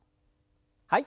はい。